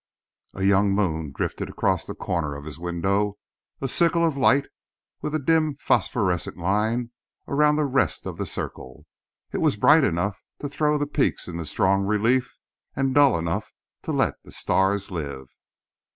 A young moon drifted across the corner of his window, a sickle of light with a dim, phosphorescent line around the rest of the circle. It was bright enough to throw the peaks into strong relief, and dull enough to let the stars live.